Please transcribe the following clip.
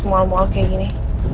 moal mual kayak gini